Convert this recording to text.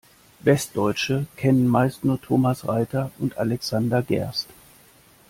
Westdeutsche kennen meistens nur Thomas Reiter und Alexander Gerst.